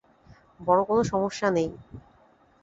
বড়ো কোনো সমস্যা নেই।